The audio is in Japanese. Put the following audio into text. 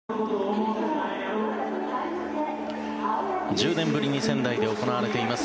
１０年ぶりに仙台で行われています。